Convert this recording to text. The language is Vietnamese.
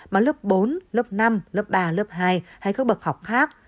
mà lớp bốn lớp năm lớp ba lớp hai hay các bậc học khác